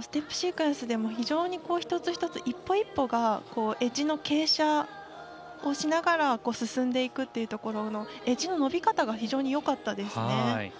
ステップシークエンスでも非常に一つ一つ、１歩１歩がエッジの傾斜をしながら進んでいくというところのエッジの伸び方が非常によかったですね。